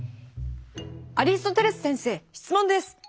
「アリストテレス先生質問です。